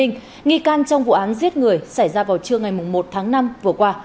nghi can trong vụ án giết người xảy ra vào trưa ngày một tháng năm vừa qua